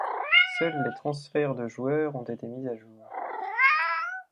Seuls les transferts de joueurs ont été mis à jour.